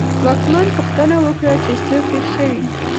واکمن پوښتنه وکړه چې څه پېښ شوي.